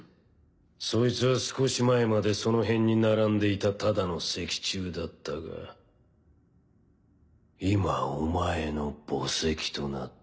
そいつは少し前までその辺に並んでいたただの石柱だったが今お前の墓石となった。